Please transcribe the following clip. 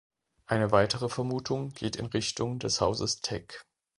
Eine weitere Vermutung geht in Richtung des Hauses Teck.